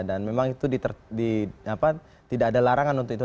dan memang itu tidak ada larangan untuk itu